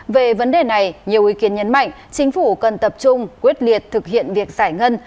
về vấn đề này nhiều ý kiến nhấn mạnh chính phủ cần tập trung quyết liệt thực hiện việc giải ngân